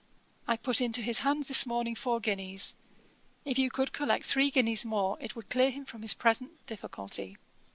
I put into his hands this morning four guineas. If you could collect three guineas more, it would clear him from his present difficulty.